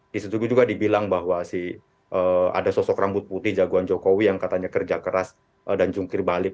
di situ juga dibilang bahwa si ada sosok rambut putih jagoan jokowi yang katanya kerja keras dan jungkir balik